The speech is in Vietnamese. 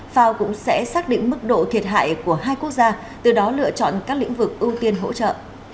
fao cũng sẽ xác định mức độ thiệt hại của hai quốc gia từ đó lựa chọn các lĩnh vực ưu tiên hỗ trợ